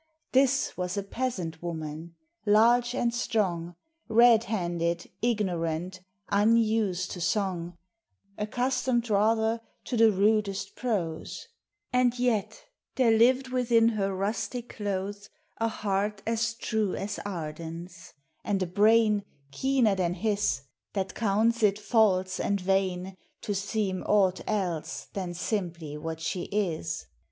This was a peasant woman; large; and strong, Redhanded, ignorant, unused to song — Accustomed rather to the rudest pro And yet, there lived within her rustic cloth A heart as true as Arden's ; and a brain, Keener than his, that counts it false and vain To seem aught else than simply what she is.